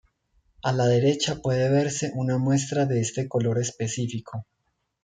A la derecha puede verse una muestra de este color específico.